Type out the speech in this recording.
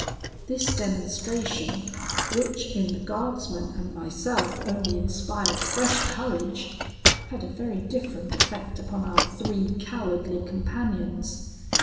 "This demonstration, which in the guardsman and myself only inspired fresh courage, had a very different effect upon our three cowardly companions.